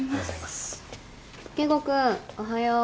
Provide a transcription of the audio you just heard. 圭吾君おはよう。